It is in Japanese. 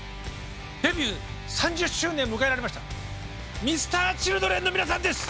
デビュー３０周年を迎えられましたＭｒ．Ｃｈｉｌｄｒｅｎの皆さんです。